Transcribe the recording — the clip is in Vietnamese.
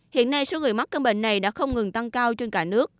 hiện nay số người mắc căn bệnh này đã không ngừng tăng cao trên cả nước